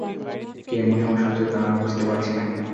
কি এমন সমস্যা হচ্ছে তা আমি বুঝতে পারছি না।